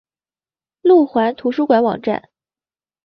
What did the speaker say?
路环图书馆网站